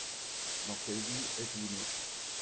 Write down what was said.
Dans quelle ville êtes-vous né ?